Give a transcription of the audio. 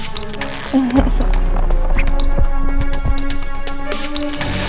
pada saat itu